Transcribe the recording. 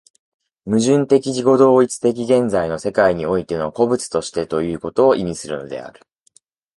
矛盾的自己同一的現在の世界においての個物としてということを意味するのである。